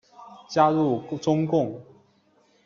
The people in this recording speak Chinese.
加入中共。